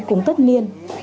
cúng tất niên